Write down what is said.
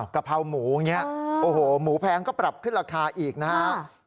กะเพราหมูอย่างนี้โอ้โหหมูแพงก็ปรับขึ้นราคาอีกนะครับ